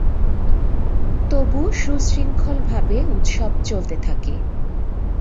তবু সুশৃঙ্খলভাবে উৎসব চলতে থাকে।